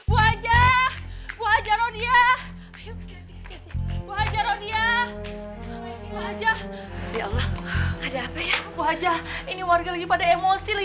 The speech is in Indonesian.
wajah wajah rodia wajah rodia wajah ya allah ada apa ya wajah ini warga lagi pada emosi lagi